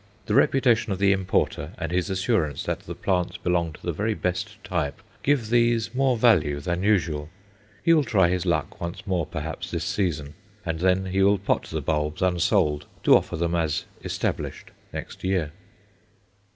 The reputation of the importer, and his assurance that the plants belong to the very best type, give these more value than usual. He will try his luck once more perhaps this season; and then he will pot the bulbs unsold to offer them as "established" next year.